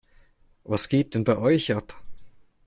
Was geht denn bei euch ab?